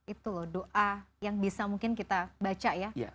itu loh doa yang bisa mungkin kita baca ya